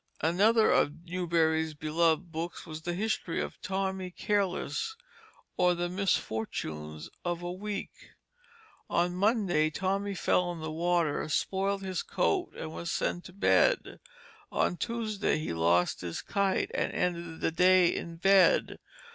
Another of Newbery's beloved books was The History of Tommy Careless, or the Misfortunes of a Week. On Monday Tommy fell in the water, spoiled his coat, and was sent to bed. On Tuesday he lost his kite and ended the day in bed.